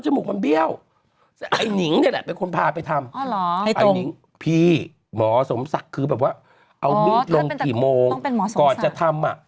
ชมูกมันเบี้ยวเมื่อก่อนคือรถชนแล้ว